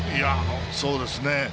そうですね。